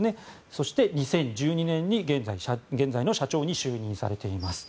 そして、２０１２年に現在の社長に就任されています。